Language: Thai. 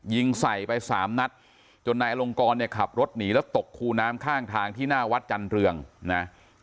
ยิงไสไป๓นัดจนในอลงกรในขโบนลดลืนีจะตกคู่น้ำข้างทางที่หน้าวัดจันทรวงนะ